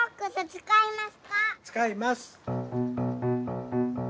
つかいます！